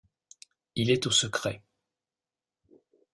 Il est au secret.